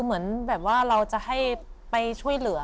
เหมือนแบบว่าเราจะให้ไปช่วยเหลือ